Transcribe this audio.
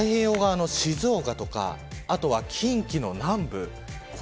太平洋側の静岡とか近畿の南部